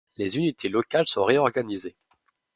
Les unités locales sont réorganisées.